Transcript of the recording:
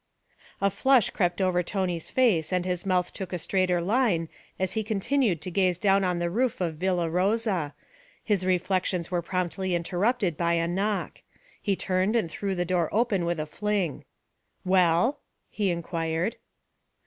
A flush crept over Tony's face and his mouth took a straighter line as he continued to gaze down on the roof of Villa Rosa. His reflections were presently interrupted by a knock. He turned and threw the door open with a fling. 'Well?' he inquired.